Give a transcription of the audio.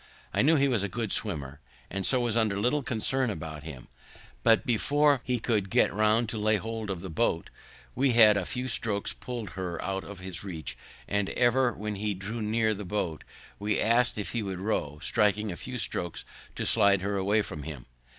I knew he was a good swimmer, and so was under little concern about him; but before he could get round to lay hold of the boat, we had with a few strokes pull'd her out of his reach; and ever when he drew near the boat, we ask'd if he would row, striking a few strokes to slide her away from him.